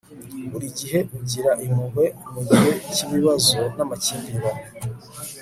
buri gihe ugira impuhwe mugihe cyibibazo namakimbirane